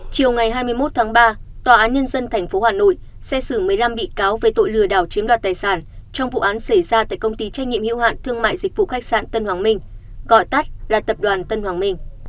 chiều ngày hai mươi một tháng ba tòa án nhân dân tp hà nội xét xử một mươi năm bị cáo về tội lừa đảo chiếm đoạt tài sản trong vụ án xảy ra tại công ty trách nhiệm hiệu hạn thương mại dịch vụ khách sạn tân hoàng minh gọi tắt là tập đoàn tân hoàng minh